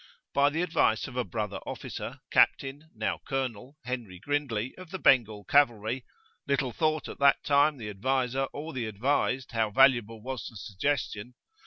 By the advice of a brother officer, Captain (now Colonel) Henry Grindlay, of the Bengal Cavalry, little thought at that time the adviser or the advised how valuable was the suggestion!